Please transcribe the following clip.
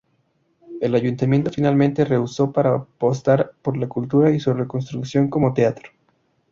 El ayuntamiento finalmente rehusó para apostar por la cultura y su reconstrucción como teatro.